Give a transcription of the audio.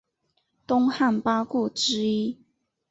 东汉八顾之一。